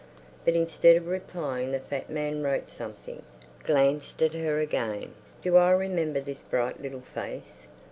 But instead of replying the fat man wrote something, glanced at her again. "Do I remember this bright little face?"